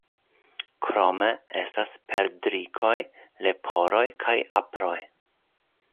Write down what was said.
Krome estas perdrikoj, leporoj kaj aproj.